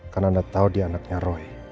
karena anda tahu dia anaknya roy